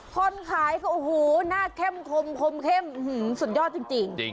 คนขายก็โอ้โหหน้าเข้มคมคมเข้มสุดยอดจริง